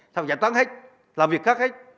xong rồi giảm toán hết làm việc khác hết